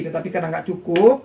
tapi karena gak cukup